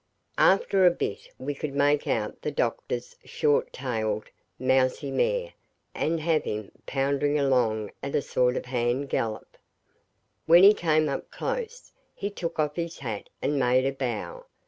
After a bit we could make out the doctor's short tailed, mousy mare and him powdering along at a sort of hand gallop. When he came up close, he took off his hat and made a bow.